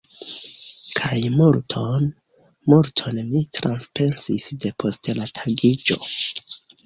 Kaj multon, multon mi trapensis de post la tagiĝo!